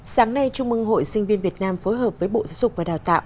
sáng nay trung mừng hội sinh viên việt nam phối hợp với bộ giáo dục và đào tạo